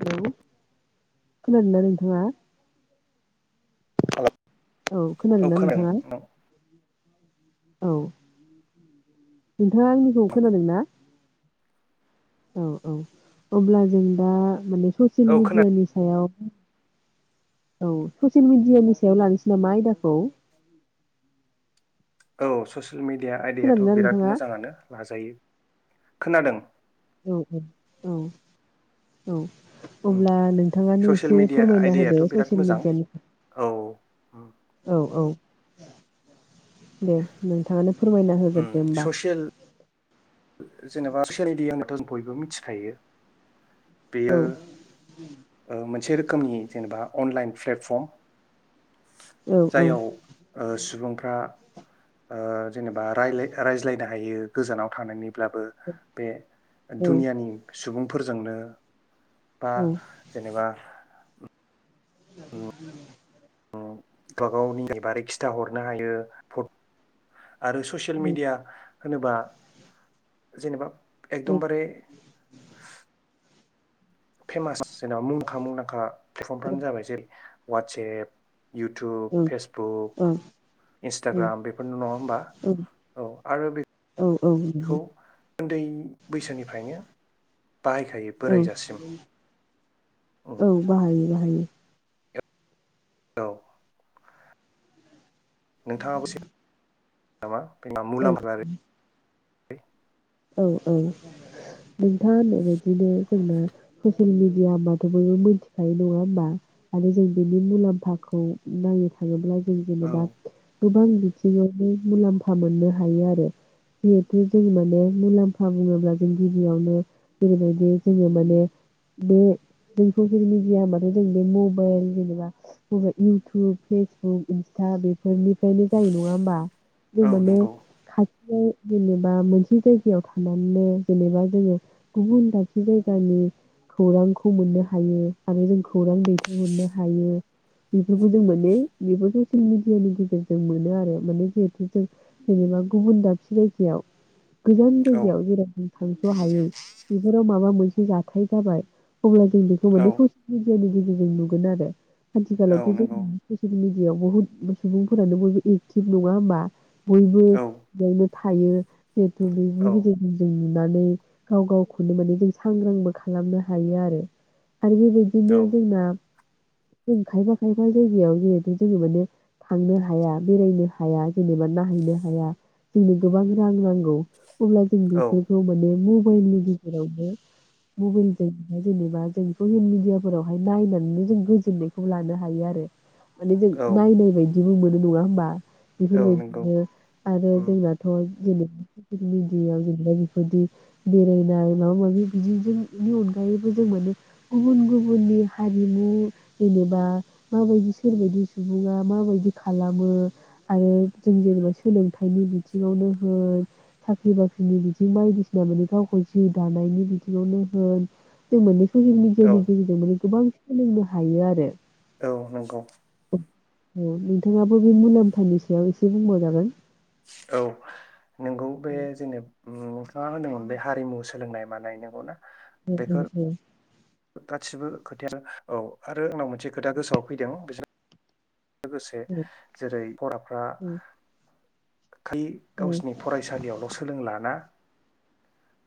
Hello खोनादोना नोंथाङा? हाल' औ खोनादोंना नोंथाङा? औ नोंथाङा आंनिखौ खोनादों ना? औ औ अब्ला जों दा माननै ससियेल औ खोनादों मिडियानि सायाव उम औ ससियेल मिडियानि सायाव लानोसै नामा आयदाखौ औ सस सियेल मिडिया आयदायाथ' खोनादोंना बिराद नोंथाङा मोजाङानो लाजायो खोनादों औ औ औ औ उम अब्ला नोंथाङानो ससियेल एसे मिडिया फोरमायना आयदायाथ' होदो बिराद ससियेल मोजां मिडियानि औ उम औ औ दे नोंथाङानो फोरमायना उम होगोरदो ओमबा ससियेल जेनेबा ससियेल मिडिया होनबाथ' जों बयबो मिथिखायो औ बेयो ओ मोनसे रो खोमनि जेनेबा अनलाइन फ्लेटफर्म औ औ जायाव ओ सुबुंफ्रा ओ जेनेबा रायलाय रायज्लायनो हायो गोजानाव थानायनि ब्लाबो बे औ दुनियानि सुबुंफोरजोंनो बा जेनेबा [unintelligible] [unintelligible] गावनि बारै खिथाहरनो हायो भत आरो ससियेल औ मिडिया होनोबा जेनेबा एकदम बारे फेमास जेनेबा मुंखा- मुंदांखा प्लेटफर्मफ्रानो जाबाय जेरै वातसेएप औ इउटुब, फेसबुक, इन्सटाग्राम बेफोरनो नङा होमबा औ आरो बे औ औ बिनो उन्दै बैसोनिफ्रायनो बाहायखायो औ बोरायजासिम उम औ बाहायो बाहायो औ नोंथाङा नामा [unintelligible] औ औ नोंथाङा होननायबायदिनो जोंना ससियेल मिडिया होनोमबाथबो मिथिखायो नङा होमबा आरो जों बेनि मुलाम्फाखौ नायनो थाङोब्ला औ जेनेबा गोबां एसेआवनो मुलाम्फा मोननो हायो आरो जिहेथु जों माने मुलाम्फा बुंङोब्ला जों गिबियावनो जेरैबायदि जोंङो माने बे जों ससेयेल मिडिया होमबाथ' जों बे मबाइल जेनेबा मबाइल इउटुब, फेसबुक, इन्सटा बेफोरनिफ्रायनो जायो नङा होमबा। जों औ माने नंगौ जेनेबा मोनसे जाय गायाव थानानैनो जेनेबा जोंङो गुबुन दाबसे जायगानि खौरांखौ मोननो हायो आरो जों खौरां दैथायहरनो हायो बेफोरखौ जों माने बेफोर ससियेल मेडियानि गेजेरजों मोनो आरो माने जिहेथु जों जेनेबा गुबुन दाबसे जायगायाव। गोजान औ जायगायाव जेरावबो थांस' हायै बेफोराव माबा मोनसे जाथाय जाबाय। अब्ला जों बेखौ औ माने ससियेल नि गेजेरजों नुगोन आरो। औ आथिखालावथ' नंगौ जोंना ससियेल मिडिया बेयाव बुहुत सुबुंफोरानो बयबो एकटिभ नङा होमबा? बयबो औ बेयावनो। थायो। दुब्लिनि औ गेजेरजों जों मोन नानै गाव गावखौनो माने जों सांग्रांबो खालामनो हायो आरो। आरो बेबायदिनो औ जोंना जों खायफा खायफा जायगायाव जिहेथु जोंङो माने थांनो हाया बेरायनो हाया जेनेबा नायहैनो हाया जोंनो गोबां रां नांगौ। अब्ला जों औ बेफोरखौ माने मुं मबाइल नि गेजेरावनो मबाइलजों जेनेबा जों ससियेल मिडियाफोरावहाय नायनानैनो जों गोजोननायखौ लानो हायो आरो। माने जों औ नायनाय बायदि। बिदि मोनो नंङा होमबा? औ नंगौ बेफोरबायदिनो आरो उम जोंनाथ' बिनो। ससियेल मिडियायाव जेनेबा बेफोरदि बेरायनाय माबा माबि बिदि जोंनि अनगायैबो जों माने गुबुन गुबुननि हारिमु जेनेबा माबायदि सोरबदि सुबुङा माबायदि खालामो आरो जों जेनेबा सोलोंथाइनि बिथिंङावनो होन। साख्रि बाख्रिनि बिथिं बायदिसिना माने गावखौ जिउ दानायनि बिथिंङावनो होन जों माने ससियेल औ मिडियानि गेजेरजों माने गोबां। सोलोंनो हायो आरो। औ नंगौ। ओं नोंथांङाबो बे मुलाम्फानि सायाव एसे बुंबाव जागोन। औ नोंगौ बे जेनेबा नोंथांङा होनदोंमोन बे हारिमु सोलोंनाय मानाय नंगौ ना? उम उम बेफोर उम। गासिबो खोथाया औ आरो आंनाव मोनसे खोथा गोसोआव फैदों बि लोगोसे जेरै फराफ्रा खालि गावसोरनि फरायसालियावल' सोलोंलाना।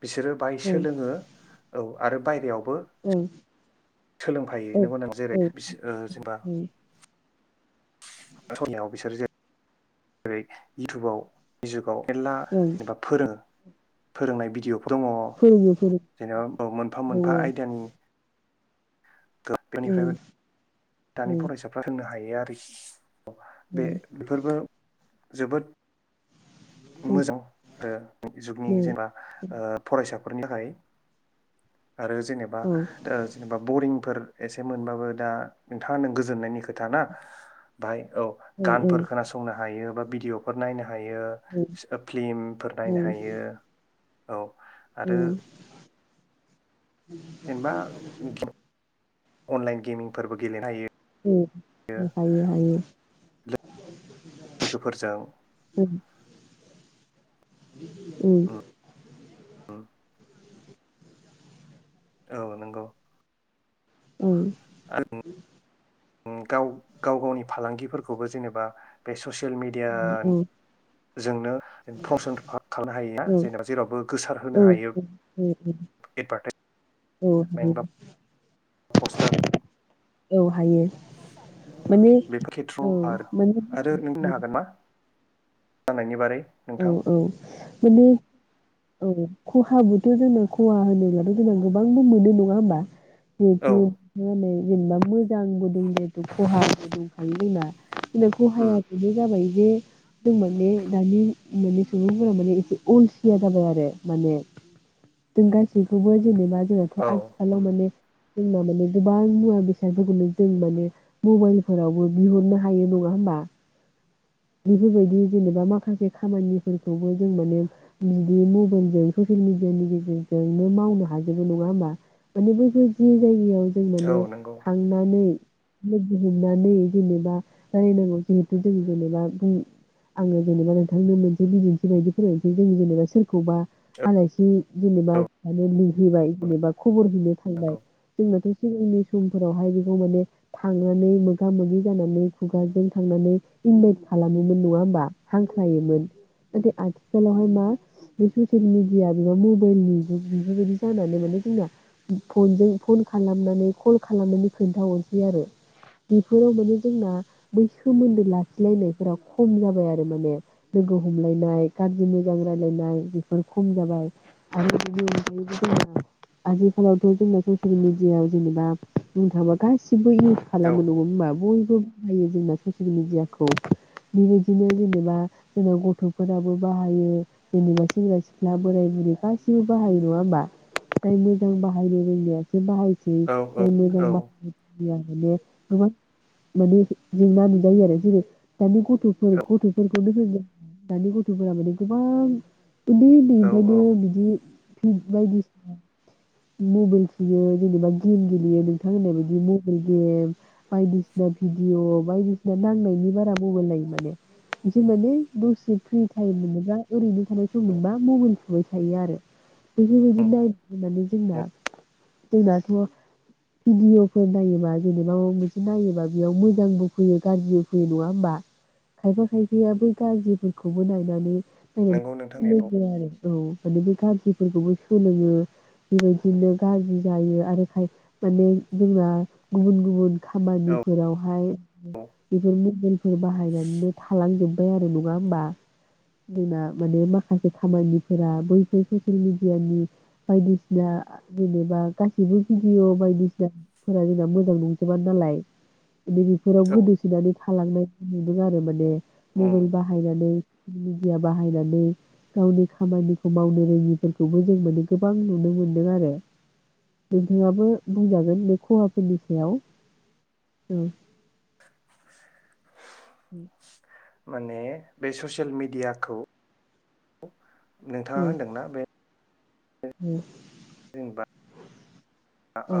बिसोरो बाहाय सोलोङो औ आरो बाहेरायाव सोलोंफायो नंगौना जेरै बिसोर ओ जेनेबा [unintelligible] याव बिसोर जे जेरै इउटुबाव फेसबुकाव मेरला जेनेबा फोरों फोरोंनाय भिडिअ दङ फोरोङो फोरों जेनेबा मोनफा मोनफा दङ आयदानि [unintelligible] निफ्रायबो दानि ओं फरायसाफ्रा सोंनो हा यो आरो बे ओं बेफोरबो जोबोद ओं मोजां ओ दानि जुगनि ओं जेनेबा ओ फरायसा फोरनि थाखाय आरो जेनेबा औ ओ जेनेबा बरिंफोर एसे मोनबाबो दा नोंथाङा होनदों गोजोननायनि खोथा ना बाहाय औ ओं गानफोर ओं खोनासंनो हायो बा भिडअफोर नायनो हा यो फ्लिमफोर नायनो हायो। औ आरो ओम जेनेबा [inaudible] अनलाइन गेमिंफोरबो गेलेनो हायो। ओम हायो हायो लोगोफोरजों उम औ नंगौ ओम ओम गाव गाव गावनि फालांगिफोरखौबो जेनेबा बे ससे सेल मिडिया औ जोंनो फमसन खालामनो हायो जेनेबा जेरावबो गोसार होनो हायो औ एडभार्टाइस औ [inaudible] पस्टार औ हायो माने बेफोर औ खेथ्र'आव आर माने आरो नों होननो हागोन ना? जानायनि बारै औ नोंथां औ माने औ खहाबोथ' जोंना खहा होनोब्लाथ' जोंना गोबांबो मोनो नङा होमबा औ [unintelligible] जेनेबा मोजांबो दं जेथु खहाबो दंखायो जोंना [unintelligible] उम खहाया बेनो जाबाय बे [unintelligible] माने सुबुंफोरा माने एसे अलसिया जाबाय आरो माने जों गासैखौबो जेनेबा जोंनाथ' औ आथिखालाव उम माने जोंना माने गोबां मुवा बेसादफोरखौनो जों माने मबाइलफोरावबो बिहरनो हायो नङा होमबा बेफोरबायदि जेनेबा माखासे खामानिफोरखौबो जों माने बिदि मबाइलजों ससियेल मिडियानि गेजेरजोंनो मावनो हाजोबो नङा होमबा माने बैफोर जि जायगायाव जों औ माने नंगौ थांनानै लोगो हमनानै जेनेबा [unintelligible] जों जेनेबा बुं आङो जेनेबा नोंथांनो मोनसे बिदिन्थि बायदि फोरमायनोसै जों जेनेबा सोरखौबा औ आलासि जेनेबा औ जानो लिंहैबाय जेनेबा खबर हैनो थांबाय नंगौ जोंनोथ' सिगांनि समफोरावहाय बेखौ माने थांनानै मोगा मोगि जानानै खुगाजों थांनानै इनभाइट खालामोमोन नङा होमबा हांख्रायोमोन नाथाय आथिखालावहाय मा बे ससियेल मिडिया एबा मबाइलनि जुग बेफोरबायदि जानानै माने जोंना फनजों फन खालामनानै कल खालामनानै खोन्थाहरसै आरो बेफोराव माने जोंना बै सोमोन्दो लाखिलायनाय फोरा खम जाबाय आरो माने लोगो हमलायनाय गाज्रि मोजां रायलायनाय बेफोर खम जाबाय आरो बेनि अनगायैबो जोङो आजिखालावथ' जोंना ससियेल मिडियाआव जेनेबा बुंनो थाङोबा गासि बो इउस औ खालामो नङा होनबा बयबो जोंना ससियेल मिडियाखौ बेबायदिनो जेनेबा जोंनाव गथ'फोराबो बाहायो जेनेबा सेंग्रा सिख्ला बोराय बुरै गासिबो बाहायो नङा होमबा मोजां बाहायनो रोंनाय से बाहाय औ [unintelligible] औ औ माने गोबां माने जेंना नुजायो आरो जेरै [unintelligible] गथ'फोर गथ'फोरखौनो होन दानि गथ'फोरा माने गोबां उन्दै औ उन्दैनिफ्रायनो बिदि बायदिसिना मबाइल सुयो जेनेबा गेम गेलेयो नोंथां होननाय बायदि मबाइल गेम बायदिसिना भिडिअ बायदिसिना नांनायनि बारा मबाइल माने माने दसे फ्रि टाइम मोनोबा ओैनो थानाय सममोनबा मबाइल थुबाय थायो आरो [unintelligible] औ जोंना जोंनाथ' भिडिअफोर नायोबा जेनेबा माबा मोनसे नायोबा बेयाव मोजांबो फैयो गाज्रिबो फैयो नंङा होमबा खायफा खायफाया बै गाज्रिफोरखौबो नायनानै नंगौ नोंथां नंगौ [unintelligible] खौ माने बे गाज्रिफोरखौबो सोलोंङो बेबायदिनो गाज्रि जायो आरो खाय माने जोंना गुबुन गुबुन औ खामानिफोरावहाय बेफोर मबेल फोर बाहायनानैनो थालांजोब्बाय आरो नंङा होमबा जोंना माने माखासे खामानिफोरा बैफोर ससियेल मेडियानि बायदिसिना जेनेबा गासिबो भिडिअ' बायदिसिनाफोरा जोंना मोजां नंजोबा नालाय नैबेफोराव औ गोदोसोनानै थालांनाय नुदों आरो माने मबाइल उम बाहायनानै मिडिया बाहायनानै गावनि खामानिखौ मावनो रोंङिफोरखौबो जों माने गोबां नुनो मोनदों आरो नोंथाङाबो बुंजागोन बे खहाफोरनि सायाव औ उम माने बे ससियेल मिडियाखौ नोंथांङा होनदोंना बे ओ जेनबा औ आ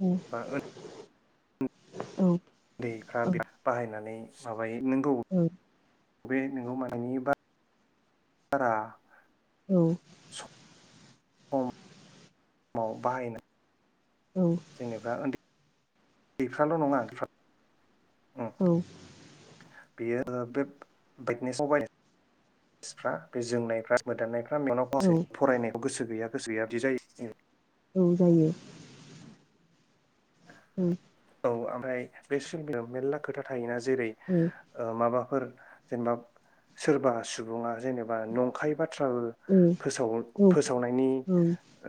औ औ दैफ्रा बे बाहायनानै माबायो नोंगौ ओ बे नोंगौ मानि बार बारा औ सम याव बाहायनो औ जोंनिफ्रा उन्दै दैफ्राल' नंङा गेफा औ बेयो ओ बे बायदनेसाव बाय स्सफ्रा बे जोंनायफ्रा मोदाननायफ्रा गामियावनोफसे औ फरायनायखौ गोसो गैया गोसो गैया बिदि जायो औ जायो औ औ आम ओमफ्राय बे सिबिलाव मेरला खोथा थायोना जेरै ओ माबाफोर जेनेबा सोरबा सुबुंङा जेनेबा नंखायबाथ फ्राबो जेनेबा फोसावो फोसावनायनि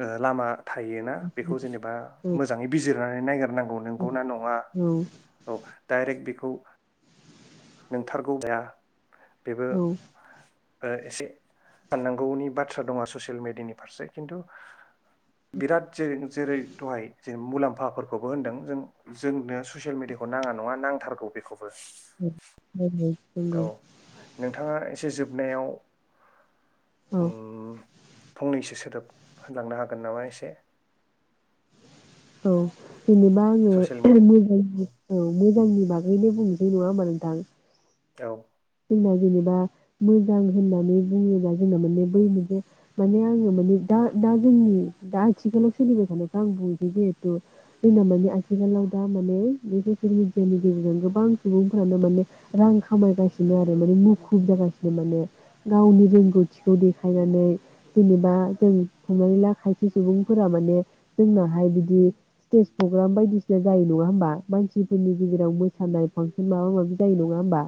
ओ लामा थायोना बेखौ जेनेबा मोजाङै बिजिरनानै नायगार नांगौ नंगौ ना नङा औ डाइरेक्ट बिखौ औ नोंथारगौ दा औ ओ एसे साननांगौनि बाथ्रा दङ ससियेल मेडियानि फारसे खिन्थु बिराद जेरै जेरै दहाय जे मुलाम्फाफोरखौबो होनदों जों जोंनो ससियेल मिडियाखौ नाङा नङा नांथारगौ बेखौबो [unintelligible] [inaudible] औ नोंथाङा एसे फोजोबनायाव फंनैसो सोदोब होलांनो हागोन नामा एसे औ जेनेबा आङो ससियेल [unintelligible] [inaudible] मिडियानि मोजां मोनो बागैनो बुंनोसै नङा होमबा नोंथां औ जोंना जेनेबा मोजां होननानै बुङोबा जोंना माने बै मोनसे आङो माने दा दा जोंनि दा आथिखालाव सोलिबाय थानायखो आं बुंनोसै जिहेथु जोंना माने आथिखालाव दा माने बे ससेेल मिडियानि गेजेरजों गोबां सुबुंफ्रानो माने रां खामायासिनो बिदिनो आरो माने मुखुब जागासिनो माने गावनि रोंगौथिखौ देखायनानै जेनेबा जों हमनानै ला खायसे सुबुंफोरा माने जोंनाहाय बिदि स्टेज प्रग्राम बायदिसिना जायो नङा होमबा मानसिफोरनि गेजेराव मोसानाय फांसन माबा माबि जायो नङा होमबा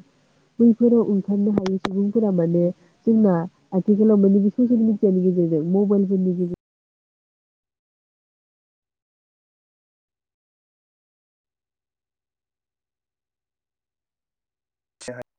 बैफोराव ओंखारनो हायै सुबुंफोरा माने जोंना आथिखालाव माने बे ससियेल मेडियानि गेजेरजों मबाइलफोरनि गेजेरजों जागोन